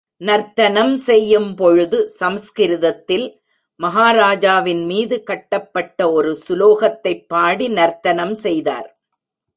நர்த்தனம் செய்யும் பொழுது, சம்ஸ்கிருதத்தில் மஹாராஜாவின் மீது கட்டப்பட்ட ஒரு சுலோகத்தைப் பாடி நர்த்தனம் செய்தார்.